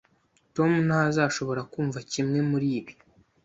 Tom ntazashobora kumva kimwe muribi